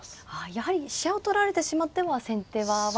やはり飛車を取られてしまっては先手は悪くなって。